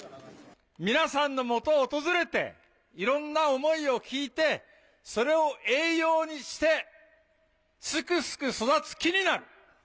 皆さんのもとを訪れて、いろんな思いを聞いて、それを栄養にして、すくすく育つ木になる。